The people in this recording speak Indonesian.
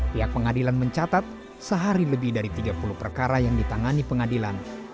pihak pengadilan mencatat sehari lebih dari tiga puluh perkara yang ditangani pengadilan